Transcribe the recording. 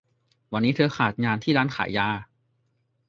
วันนี้เธอขาดงานที่ร้านขายยา